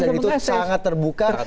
dan itu sangat terbuka